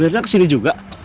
beneran kesini juga